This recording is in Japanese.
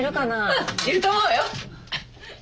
うんいると思うわよ。